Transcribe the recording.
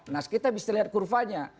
nah kita bisa lihat kurvanya